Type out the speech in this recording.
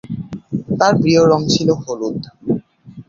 তার প্রিয় রং ছিল হলুদ।